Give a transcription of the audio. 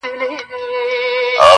پر شمال ور مرش سوي